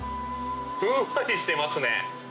ふんわりしていますね！